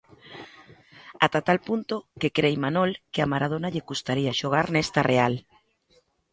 Ata tal punto que cre Imanol que a Maradona lle custaría xogar nesta Real.